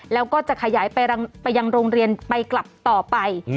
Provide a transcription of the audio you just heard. แล้วก็จะขยายไปยังโรงเรียนไปกลับต่อไป